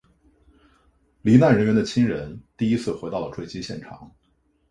罹难人员的亲人第一次回到了坠机现场。